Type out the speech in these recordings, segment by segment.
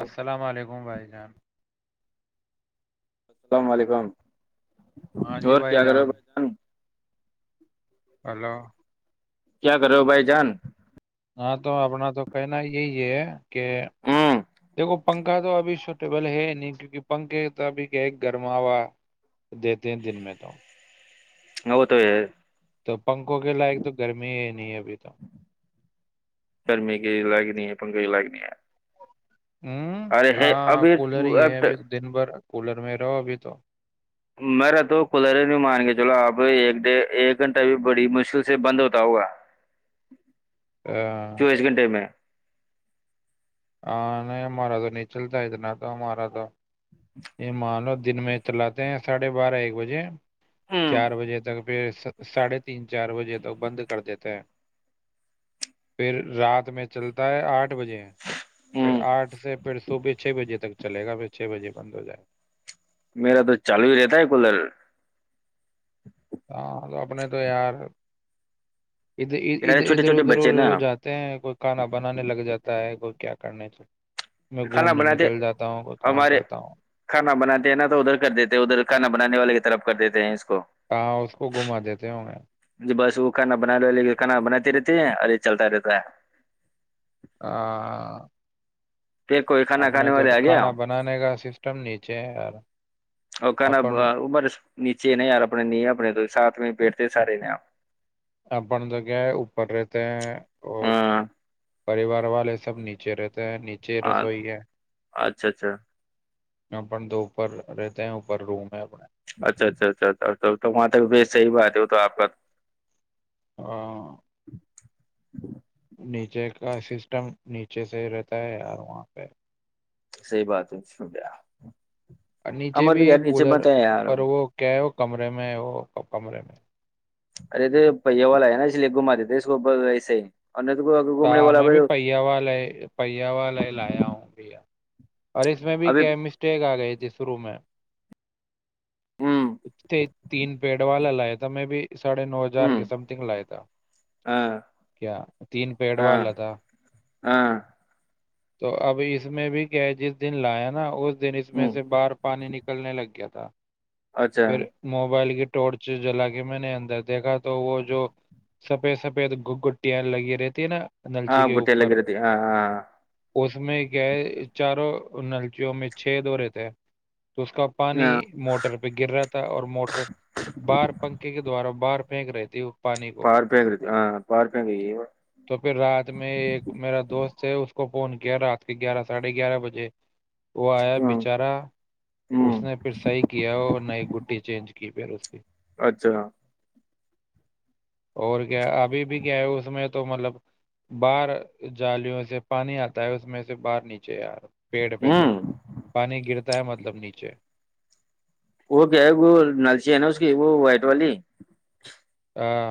السلام علیکم بھائی جان اسلام علیکم ہاں جی اور بھائی کیا کر رہے ہو جان ہلو کیا کرو بھائی جان ہاں تو اپنا تو کہنا یہی ہے ہے کہ ہوں دیکھو پنکھا تو ابھی سوٹیبل ہے نہیں کیونکہ پنکھے تو ابھی کہ ایک گرماوا دیتے ہیں دن میں تو ہو تو ہے تو پنکھوں کے لائق تو گرمی ہی نہیں ابھی تو ن کئی لائگنی ہے ہوں ارے ہے ہاں ابھی کولر ہی ہے اب ابھی دن بھر کولر میں رہو ابھی تو میرا تو کولر ہی نہیں مان گیا چلو آپ ایک ڈ ایک گھنٹہ بھی بڑی مشکل سے بند ہوتا ہوگا ہاں چوبیس گھنٹے میں ہاں نہیں ہمارا تو نیچلتا ہے تو نہ تو ہمارا تو یہ مانو دن میں چلاتے ہیں ساڑھے بارہ ایک بجے ہ چار بجے تک پھر ساڑھے تین چار بجے تک بند کر دیتے ہیں پھر رات میں چلتا ہے آٹھ بجے پھر ہ آٹھ سے پھر صبح چھ بجے تک چلےا پھر چھ بجے بند ہو جائے میرا تو چالو ہی رہتا ہے کلر ہاں تو اپنے تو یار اھرھر یارے چھوٹے ادھر چھوٹے ادھر بچے نا اھر جاتے ہیں کوئی کھانا بنانے لگ جاتا ہے کوئی کیا کرنے میں کھانا گھومنے بناتے نکل جاتا ہوں کوئی کام ہمارے کرتا ہوں کھانا بناتے ہیں نا تو ادھر کر دیتے ادھر کھانا بنانے والے کی طرف کر دیتے ہیں اس کو کہاں اس کو گھما دیتے ہ بس وہ کھانا بنا لو ل کھانا بناتی رہتی ہے اور یہ چلتا رہتا ہے آ پھر کوئی کھانا کھانے والے آ گیا بنانے کا سسٹم نیچے ہے یار اور کھانا اپن ار نیچے نہیں یار اپنے نہیں اپنے تو ساتھ میں پٹ تے سارے ہیں آپ آ جگہ ہے اپر رہتے اور ہاں پریوار والے سب نیچے رہتے سے نیچے ہاں رسوئی ہے اچھا اچھا ن تو اوپر رہتے ہیں اوپر روم ہے اچھا اچھا اچھا اچھا تو وہاں تک صحیح بات ہے وہ تو آپ کا ہاں نیچے کا سسٹم نیچے سے ہی رہتا ہے یار وہاں پہ سحی بات ہے ب نیچے بھی یہ کولر یار پر ارے وہ کہ کمرے میں وہ ک کمرے میں ارے تو پہ والا ہے نا اس لیے گ مارے تھ اس کو ویسے ہی اور نہیں تو س گھومنے والا میں بھی ابھی پہیا والا لے پہیا والا لے لایا ہوں بھیا اور اس میں بھی کیا مسٹیک آ گئے تھی شو میں ہوں [inaudible] تین پیڑ والا لایا تھا میں بھی ساڑھے نو ہوں ہزار سم تھنگ لائے تھا ہاں کیا تین پیڑو ہاں لتا ہاں تو اب اس میں بھی کیا جس دن لایا نا اس دن اس میں ہوں سے باہر پانی نکلنے لگ گیا تھا تو اچھا پھر موبائل کی ٹورچ جلا کے میں نے اندر دیکھا تو وہ جو سفید سفید گ گ ٹی لگی رتے ن نلچی ہاں کے گٹیا اوپر لگی رہتی ہاں ہاں اس میں گئے چاروں ان اللچیوں میں چھ د رہے تھے تو اس کا پانی ہاں موٹر پہ گر رہا تھا اور موٹر باہار پنکھے کے دوارا باہر پھینک رہتی ہو پارپ کر ہاں پار پ کر تو پھر رات میں ایک میرا دوست ہےے اس کو فون کیا رات کے گیارہ ساڑھے گیارہ بجے وہ آیا ہوں بچارا ہوں اس نے پھر صحیح کیا اور نئی گٹی چینج کی پہ رو اس کی اچھا اور کیا ابھی بھی کیا ہے اس میں تو مطلب باہار جالوں سے پانی آتا ہے اس میں سے باہر نیچے یار پیڑ پہ سےے ہوں پانی گرتا طے مطلب نیچے وہ کیا ہے وہ نلچی ہے نا اس کی وہ وائٹ والی ہاں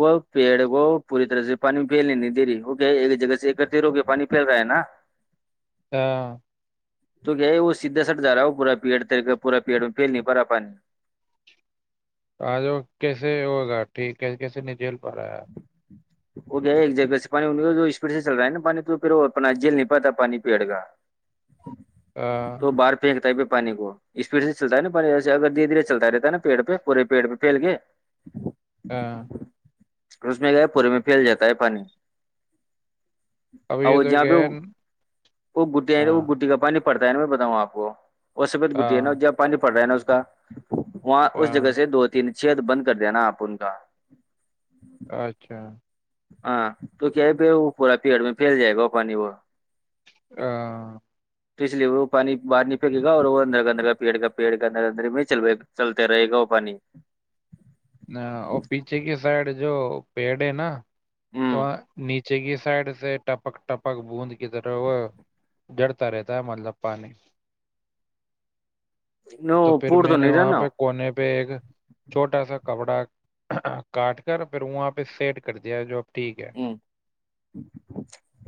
وہ پیڑ کو پوری طرح سے پانی پھیلنے نہیں دری ہوک ایک جگہ سے ایک کر د ر ہو کے پانی پھیل رہا ہے نا ہاں تو کیا ہے وہ سیدھا سٹ جا رہا ہو پورا پیڑ تر کر پورا پیڑ میں پھیل نہیں پا پانی آج وہ کیسے ہوگا ٹھیک کیسے نہیں جیل پرا وہ گ کیا ہے ایک جگہ سے پانی اسپیڈ سے چل رہا ہے نا پانی تو پھر وہ اپنا جل نہیں پاتا پانی پیڑ کا تو ہاں بار پہ کتاب پانی کو اسپیڈ سے چلتا ہے نا پانی ایسے اگر دھیرے دھیرے چلتا رہتا ہے نا پیڑ پہ پورے پیڑ پہ پھیل کے ہاں اسس میں گیا پورے میں پھیل جاتا ہے پانی اب یہ اور تو جہاں کیا پہ ہے وہ گٹییا وہ ہاں گٹی کا پانی پڑتا ہے نا میں بتاؤں آپ کو وہ سبت گٹٹی نا ہاں ج جو پانی پڑ رہ ہے نا کا وہاں اس ہاں جگہ سے دو تین ا شت بند کر دیا نا آپ ان کا اچھا ہاں تو کیا ہے پ وہ پورا پیڑ میں پھیل جائے گا وہ پانی وہ ہ [unintelligible] تو اس لیے وہ پانی باہر نہیں پھیکے گا اور وہ اندر اندر پیڑ کا پیڑ کا اندر اندر میں چل چلتا رہے گا وہ پانی ہاں، اور پیچھے کی سائڈ جو پیڑ ہے نا تو ہوں نیچ چ کی سائڈ سے ٹپک ٹپک بوند کی طرح وہ ڈرتا رہتا ہے مطلب پانی ن پوور تو نہیں رہ نا بیگ چھوٹا سا کپڑا کاٹ کر پھر وہاں پہ سیٹ کر دیا جو ٹھیک ہے ہ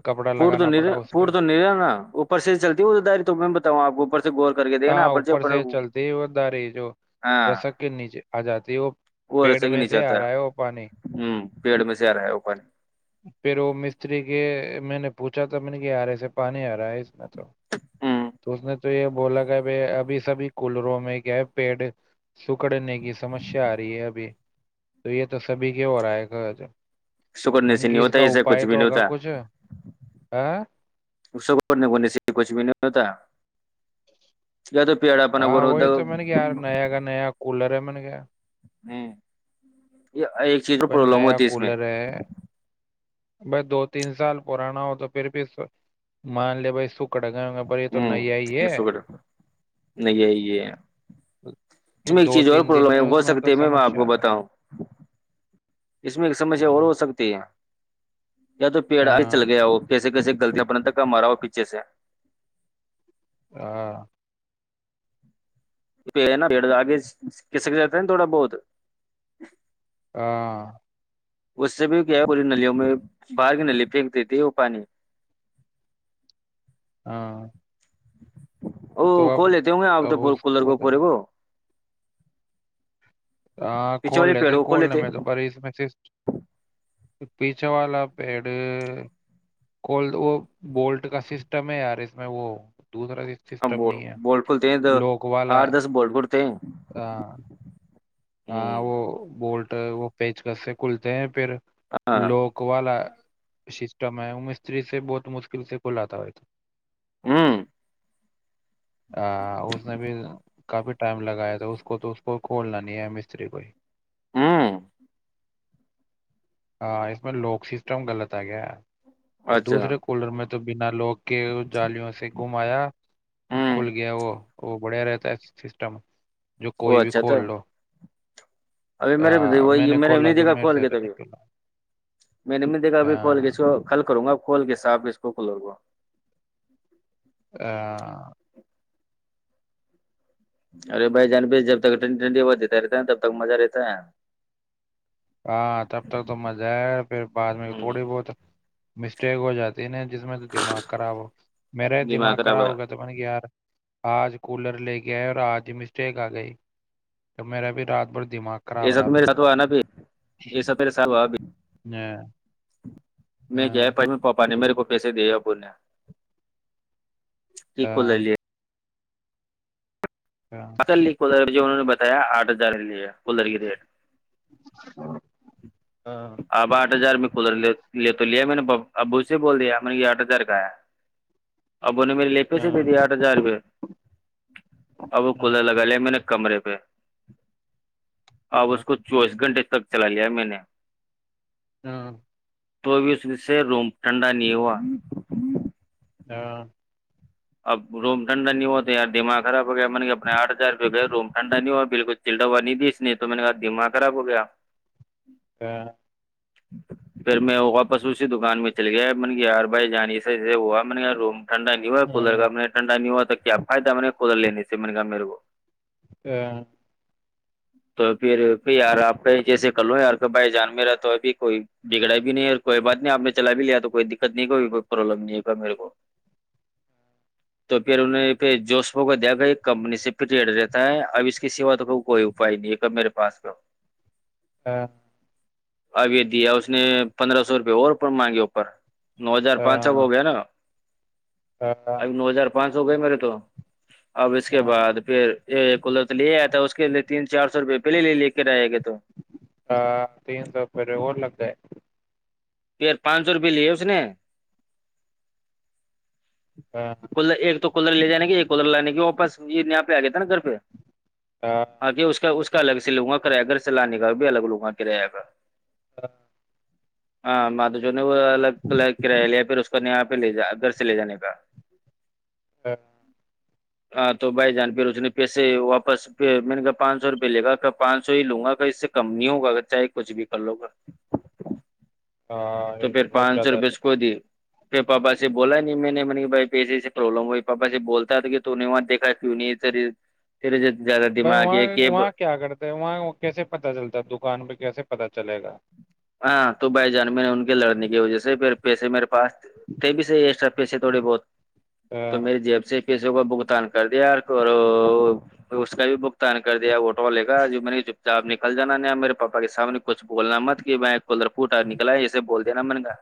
کپڑا پور تو لگانا پڑا نہیں اس پہ پور تو نہیں رہا نا اوپر سے ہی چلتی وہ تو داری تو میں بتاؤں آپ کو اوپر سے گور کر کے د ہاں نا پر جو اوپر سے چلتی وہ داری جو ہاں رسک کے نیچے آ جاتی ہے وہ وہ ایسا پیڑ ہی میں نہیں سے آ چاہتا رہا ہے وہ پانی ہ پیڑ میں سے آ رہا ہے وہ پانی پھر وہ مستری کے میں نے پوچھا تھا میں نے کہ آاراسے پانی آ رہا ہے اس میں تو ہ تو اس نے تو یہ بولا ب ابھی سبھی کولروں میں کیا پیڑ سکڑنے کی سمسیا آ رہی ہے ابھی تو یہ تو سبھی کے ہو رہا ہے گج اسکنے سے نہیں ہوتا ایے کچھ بھی نہیں ہوتا کچھ ہ اسنےنے سے کچھ بھی نہیں ہوتا یا تو پیڑ اپنا ہاں گور ہوتا وہی تو میں نے کہیار نیا کا نیا کولر ہے سن گیا ہوں یہ ایک چیز میں بھائی پرابلم نیا ہوتی اس میں کولر ہے بھائی دو تین سال پرانا ہو تو پھر بھی مان لے بھائی سکٹ ہوں سو کر نہیں یہ اس میں ایک دو چیز اور تین دن پرلم ہے میں اس ہو تو سکتی میں آپ سمسیا کو آ گئی بتاؤں اس میں ایک سمسیا اور ہاں ہو سکتی ہے یا تو پیڑ آ ہی چل ہاں گیا وہ پ جے کیسے لطی اپنے تھا کا مارا ہو پیچھے سے [inaudible] پ نا پیڑ آگے کسک جاتا ہے نا تھوڑا بہت ہاں اس سے بھی کیا ہے پوری نلوں میں باہر کی نلی پھینک دی تھی وہ پانی ہاں او تو ک اب لیتے ہوں گے آپ تو اب اس کولر وہ کو تو پورے کو ہاں پیچھے کھول والے پیڑ لیتے کو کھول کھولنے میں تو ب اس میں سے پیچھے والا پیڈ وہ بولٹ کا سسٹم ہے یار اس میں وہ دوسرا ہماں ب سسٹم نہیں ہے بول کھلتے ہیں تو لوک والا آٹ دس بول کولتے ہیں ہاں ہاں وہ بولٹ وہ پیچکس سے کھلتے ہیں پھر ہاں لوک والا سسٹم ہے وہ مستری سے بہت مشکل سے کھلاتا ہو تھا ہوں ا اس نے بھی کافی ٹائم لگایا تھا اس کو تو اس کو کو نہیںیا مستری کوئی ہوں ہاں اس میں لوک سسٹم غلط آ گیا ار اور اچھا دوسرے کولر میں تو بنا لوگ کے جالیوں سے گم آیا اور ہوں کھل گیا وہ وہ بڑھیا رہتا ہے سسٹم جو وہ کوئی بھی اچھا تھا کھول لو ابھی میرے آ، وہ میں نے کھولا نہیں جو دیکھا میرے کھول سے کے تو نکلا میں نے بھی نہیں دیکھا ابھی کھول کے اس ہاں کو کھل کروں گا [unintelligible] [unintelligible] ارے بھائی جان جب تک ٹھنڈی ٹھنڈی ہوا دیتا رہتا ہے تب تک مزہ رہتا ہے ہاں تب تک تو مزہ ہے پھر بعد میں ہے تھوڑی بہت مسٹیک ہو جاتا دنے جس میں تو دماغ خراب ہو میرا ہی دماغ خراب ہو گیا تو میں نے کہا یار آج کولر لے کے آئے اور آج مسٹیک آ گئی تو میرا بھی رات بھر دماغ خراب ایسا رہا تو میرے پھر ساتھ ہوا ہے نا پھر یہ سب میرے ساتھ ہوا بی ہاں میں گیا ہاں پاپا نے میرے کو پیسے دے آپ نے ہاں [unintelligible] ہاں [unintelligible] انہوں نے بتایا آٹھ ہزار کے ہے کلر کی ریٹ [unintelligible] ہاں اب آٹھ ہزار میں کھ لے تو لیا میں نے اب ابو سے بول دیا میں نے یہ آٹھ ہزار کا ہے ابو نے میرے لیے پیسے بجے ہاں پیسے آٹ ہزار روپئے اب ہاں کولار لگا لیا میں نے کمرے پہ اب اس کو چوبیس گھنٹے تک چلا لیا میں نے ہاں تو بی اس میں سے روم ٹھنڈا نہیں ہوا ہاں اب روم ٹھنڈا نہیں ہوا تو یار دماغ خراب میں نے کہاں اپنے آٹ ہزار روپئے گئے روم ٹنڈا نہیں ہو بالکل چائلڈ ہوا نہیں دی اس نے تو میں نے کہا دماغ خراب ہو گیا ہاں پھر میں واپس اسی دکان میں چل گیا میں نے یار بھائی جان ایسے ایسے ہوا میں نے روم ھنڈا نہیں ہوا کولر ہاں میں نے کہاں ٹھنڈا نہیں ہوا تو کیا فائدہ میں نے کولر لنے سے میں نے کہاں میرے کو [unintelligible] تو پھر یار آپ کے جیسے کر لو یار کا بھائی جان میرا تو ابھی کوئی بگڑا بھی نہیں کوئی بات نہیں آپ نے چلا بھی لیا تو کوئی دقت نہیں کوئی پرابلم نہیں میرے کو تو پھر انہیں پ جوسپو کو دیک ایک کمپنی سے پریڈ رہتا ہے اب اس کی سیوا تو کوئی اپائے نہیں ہے میرے پاس کا ہاں ابھی دیا اس نے پندرہ سو روپئے اور مانگے اوپر نو ہزار پانچ سو ہو ہاں گیا نا ہاں اب نو ہزار پانچ سو گئے میرے تو اب اس کے ہاں بعد پھر یہ ک لے آیا تھا اس کے تین چار سو روپئے پہے لے کے رہے گا ہ تین سو پھرے لگتا ا [unintelligible] پیھر پانچ سو روپے لےوس ن ہاں کر ایک تو کولر لے جانے گی ایک کولر لانے گی واپس تو یہ یہاں پہ آ گیا تھا نا گھر پہ ہاں آے اس کا اس کا الگ سے لوں گا کریہ گھر سے لانے بھی الگ لوگاں کے رہے گا ہاں ہاں مدو جو وہ الگ الگ کرایہ لیا پھر اس کو ن آپ لے ج گھر سے لے جانے کا [unintelligible] ہاں ہاں تو بھائی جان پ اس نے پیسے واپس میں نے کہ پانچ سو روپئے لے گا پانچ سو ہی لوں گا کا اس سے کم نہیں ہوگا چاہے کچھ بھی کر لو گا ہاں تو یہ پھر بہت پانچ سو زیادہ روپئے اس کو دی پھر پاپا سے بولا نہیں میں نے منی بھائی پیسے سے پرابلم ہو پاپا سے بولتا تھا کہ تو نے وہاں دیکھا کیوں نہیں سر بھائی وہاں وہاں کیا کرتا ہے وہاں کیسے پتا چلتا ہے دکان پہ کیسے پتا چلے گا ہاں تو بھائی جان میں نے ان کے لڑنے کی وجہ سے پھر پیسے میرے پاس تھے بھی صحی ایکسٹرا پیسے تھوڑے بہت تو اہ، میری جیب سے کسی کو بگتان کر دیا اس کا بھی بگتان کر دیا وہٹ لے کا جو میں نے چپ چاپ نکل جانا ن میرے پاپا کے سامنے کچھ بولنا مت کہ ب کلرپوٹ اور نکلا ہے اسسے بول دینا من گا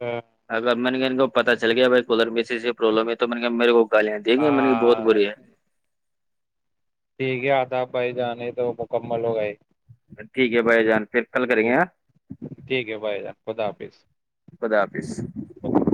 اہ، اگر میں نے کہ کو پتا چل گیا بھائی کدھر م سے پرلم ہے تو نے میرے کو الیاں دیک گ م نے کہ بہت ہاں بری ہے ٹھیک ہے آتا بھائی جانے تو مکمل ہو گئے ٹھیک ہے بھائی جان پھر کل کریں گے ٹھ ہاں ٹھیک ہے بھائی جان خدا حافظ خدا حافظ خ حظ